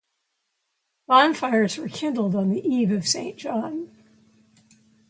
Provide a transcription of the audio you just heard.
Bonfires were kindled on the Eve of St. John.